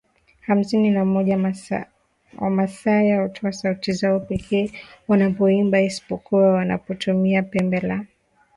Hamsini na moja Wamasai hutumia sauti zao pekee wanapoimba isipokuwa wanapotumia pembe la Greater